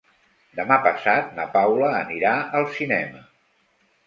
Demà passat na Paula anirà al cinema.